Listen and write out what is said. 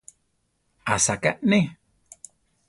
Asaká neʼé.